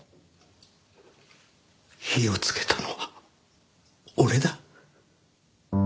火をつけたのは俺だ。